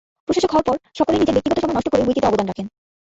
প্রশাসক হওয়ার পর সকলেই নিজের ব্যক্তিগত সময় নষ্ট করে উইকিতে অবদান রাখেন।